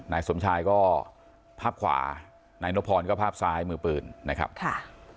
นายสมชายก็ภาพขวานายนพรก็ภาพซ้ายมือปืนนะครับค่ะ